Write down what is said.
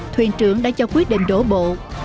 thuyền trưởng đã cho quyết định đổ bộ